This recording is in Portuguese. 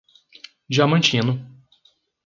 Diamantino